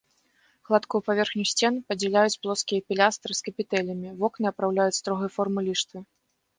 Гладкую паверхню сцен падзяляюць плоскія пілястры з капітэлямі, вокны апраўляюць строгай формы ліштвы.